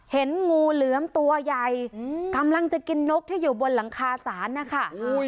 เห็นงูเหลือมตัวใหญ่กำลังจะกินนกที่อยู่บนหลังคาศาลนะคะ